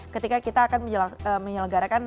ketika kita akan menyelenggarakan